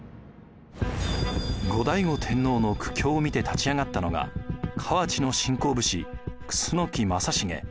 後醍醐天皇の苦境を見て立ち上がったのが河内の新興武士楠木正成。